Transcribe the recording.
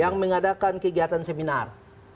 yang mengadakan kegiatan seminar